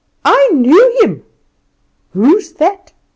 I knew him! 'Who's that?